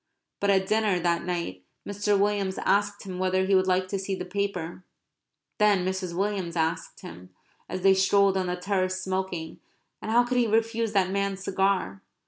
But at dinner that night Mr. Williams asked him whether he would like to see the paper; then Mrs. Williams asked him (as they strolled on the terrace smoking and how could he refuse that man's cigar?)